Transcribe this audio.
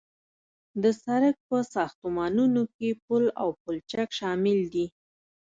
د سرک په ساختمانونو کې پل او پلچک شامل دي